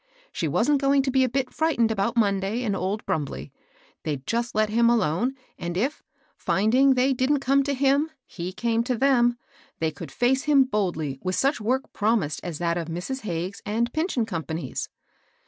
She wasn't going to be a bit frighfened about Monday and old Brumbley. They'd just let him alone, and if, finding they didn't come to him, he came to them^ they cotdd &ce him boldly with such work promised as that of Mrs. Ha^es and Pinch and Company's.